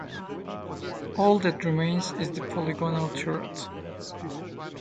All that remains is the polygonal turret.